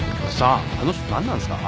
あの人何なんすか？